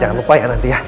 jangan lupa ya nanti ya